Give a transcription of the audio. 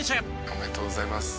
「おめでとうございます」